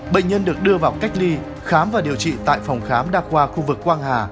bệnh nhân được đưa vào cách ly khám và điều trị tại phòng khám đa khoa khu vực quang hà